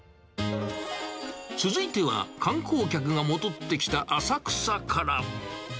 続いては、観光客が戻ってきた浅草から。